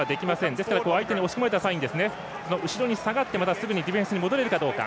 ですから相手に押し込まれた際に後ろに下がってまたすぐにディフェンスに戻れるかどうか。